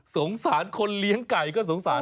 สงสารคนเลี้ยงไก่ก็สงสาร